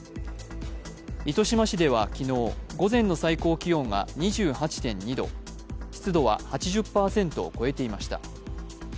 糸島市では昨日、午前の最高気温が２８．２度、湿度は８０％を超えていました。